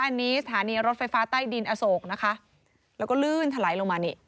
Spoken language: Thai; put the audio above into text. อันนี้สถานีรถไฟฟ้าใต้ดินอโศกนะคะแล้วก็ลื่นถลายลงมานี่